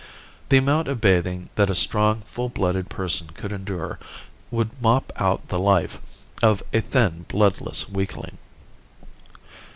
The amount of bathing that a strong, full blooded person could endure would mop out the life of a thin, bloodless weakling.